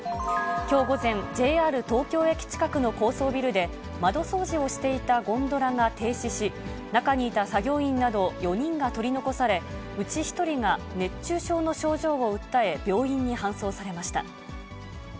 きょう午前、ＪＲ東京駅近くの高層ビルで、窓掃除をしていたゴンドラが停止し、中にいた作業員など４人が取り残され、うち１人が熱中症の症状を訴え、病院に搬送されました。